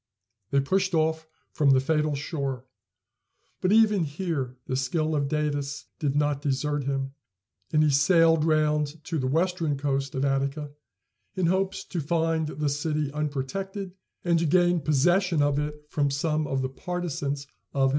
They pushed off from the fatal shore; but even here the skill of Datis did not desert him, and he sailed round to the western coast of Attica, in hopes to find the city unprotected, and to gain possession of it from some of the partisans of Hippias.